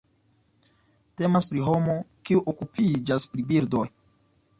Temas pri homo kiu okupiĝas pri birdoj.